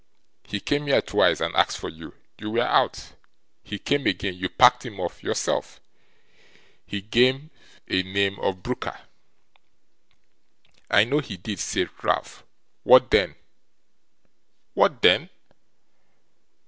He came here twice, and asked for you. You were out. He came again. You packed him off, yourself. He gave the name of Brooker.' 'I know he did,' said Ralph; 'what then?' 'What then?